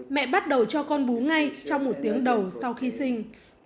mẹ bắt đầu cho con bú ngay trong một tiếng đầu sau khi sinh